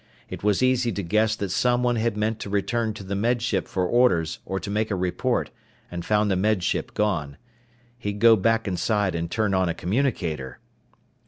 It was easy to guess that someone had meant to return to the Med Ship for orders or to make a report, and found the Med Ship gone. He'd go back inside and turn on a communicator.